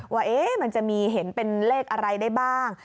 ว่ามันจะมีเห็นเป็นเลขอะไรได้บ้าง